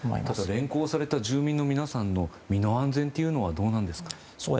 ただ連行された住民の皆さんの身の安全はどうなんですか。